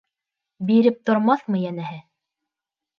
Биреп тормаҫмы, йәнәһе.